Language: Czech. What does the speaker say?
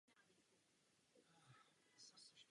Tento servis lze dnes zhlédnout na zámku Kynžvart.